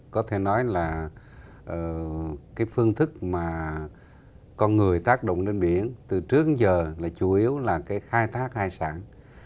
có thể nói là phương thức mà con người tác động lên biển từ trước đến giờ là chủ yếu là khai thác hải sản